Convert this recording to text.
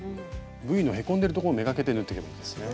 Ｖのへこんでるところを目がけて縫っていけばいいんですね。